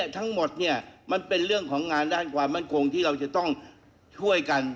ทั้งหมดมันเป็นเรื่องของงานด้านความมั่นคงที่เราจะต้องช่วยกัน